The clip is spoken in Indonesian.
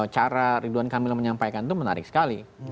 cara ridwan kamil menyampaikan itu menarik sekali